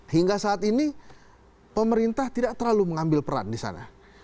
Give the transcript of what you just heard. hingga saat ini pemerintah tidak terlalu mengambil peran di sana